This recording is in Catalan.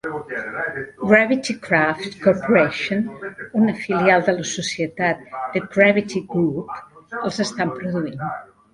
Gravitykraft Corporation, una filial de la societat The Gravity Group, els estan produint.